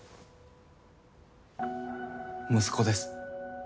息子です。